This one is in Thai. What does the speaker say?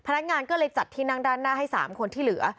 พนักงานก็เลยจัดที่นั่งด้านหน้าให้๓คนที่เหลือ